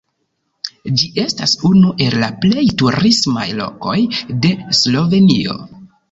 Ĝi estas unu el la plej turismaj lokoj de Slovenio.